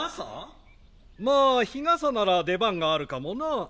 まあ日傘なら出番があるかもな。